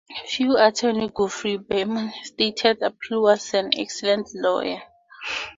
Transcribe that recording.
Fellow attorney Geoffrey Berman stated Appel was an excellent lawyer.